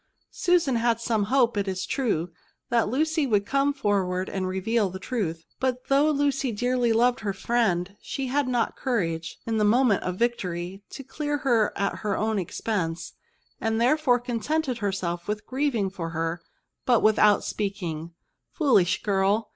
Susan had some hope, it is true, that Lucy would come forward and reveal the truth ; but though Lucy dearly loved her &iend, she had not courage, in the moment of victory, to dear her at her own expense ; she therefore contented herself with grieving for her, but without speaking. Foolish girl!